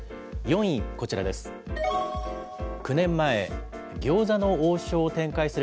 ４位、こちらです。